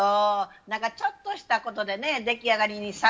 なんかちょっとしたことでね出来上がりに差があるんですよね。